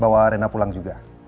bawa rena pulang juga